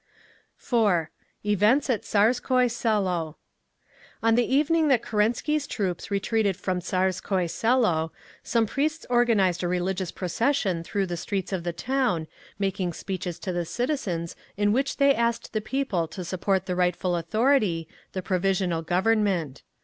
EVENTS AT TSARSKOYE SELO On the evening that Kerensky's troops retreated from Tsarskoye Selo, some priests organised a religious procession through the streets of the town, making speeches to the citizens in which they asked the people to support the rightful authority, the Provisional Government.